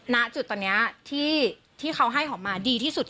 ณจุดตอนนี้ที่เขาให้หอมมาดีที่สุด